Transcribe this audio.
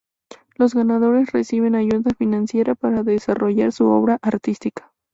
Los ganadores reciben ayuda financiera para desarrollar su obra artística.